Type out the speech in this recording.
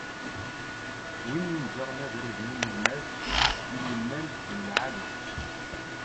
Win ineǧǧṛen abrid n unelmad i yimal n lεali.